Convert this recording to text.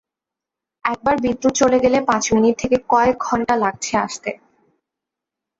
একবার বিদ্যুৎ চলে গেলে পাঁচ মিনিট থেকে কয়েক ঘণ্টা লাগছে আসতে।